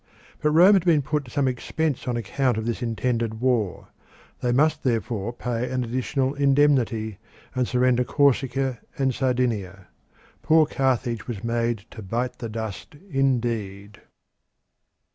But Rome had been put to some expense on account of this intended war; they must therefore pay an additional indemnity, and surrender Corsica and Sardinia. Poor Carthage was made to bite the dust indeed.